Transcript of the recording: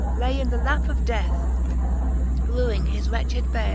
Lay in the lap of death, revving his wretched bale.